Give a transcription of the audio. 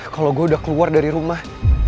kalau gue udah keluar dari rumah